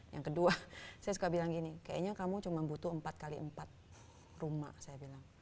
yang kedua saya suka bilang gini kayaknya kamu cuma butuh empat x empat rumah saya bilang